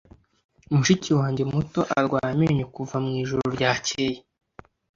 Mushiki wanjye muto arwaye amenyo kuva mwijoro ryakeye